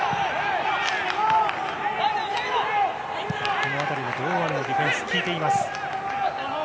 この辺りは堂安のディフェンスが効いています。